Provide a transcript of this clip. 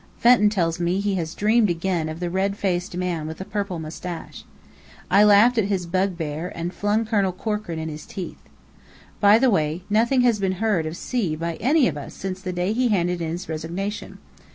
Fenton tells me he has dreamed again of the red faced man with the purple moustache. I laughed at his bugbear and flung Colonel Corkran in his teeth. By the way, nothing has been heard of C. by any of us since the day he handed in his resignation.